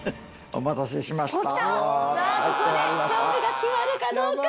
お待たせしました。